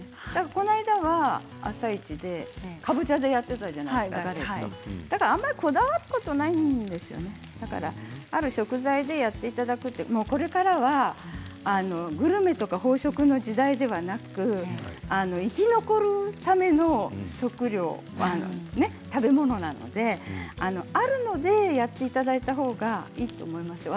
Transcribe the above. この間は「あさイチ」でかぼちゃでやっていたじゃないですか、ガレット、どうやらあんまりこだわることないんですねある食材でやっていただいてもこれからはグルメや飽食の時代ではなく生き残るための食料食べ物なんであるものでやっていただいたほうがいいと思いますよ。